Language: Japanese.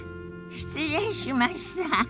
失礼しました。